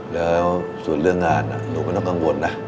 แล้วส่วนเรื่องงานหนูไม่ต้องกังวลนะ